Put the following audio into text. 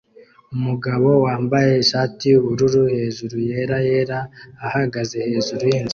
Umugabo wambaye ishati yubururu hejuru yera yera ahagaze hejuru yinzu